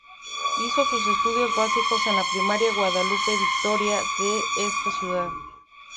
Hizo sus estudios básicos en la primaria "Guadalupe Victoria" de esta ciudad.